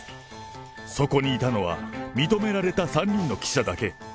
そこにいたのは認められた３人の記者だけ。